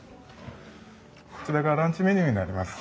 こちらがランチメニューになります。